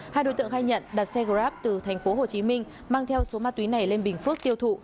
hai đối tượng khai nhận đặt xe grab từ thành phố hồ chí minh mang theo số ma túy này lên bình phước tiêu thụ